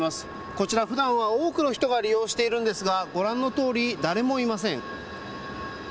こちら、ふだんは多くの人が利用しているんですがご覧のとおり誰もいません。